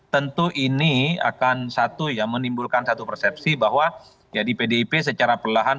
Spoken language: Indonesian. tentu ini akan satu ya menimbulkan satu persepsi bahwa jadi pdip secara perlahan